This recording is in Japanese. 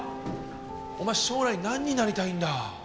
お前将来何になりたいんだ？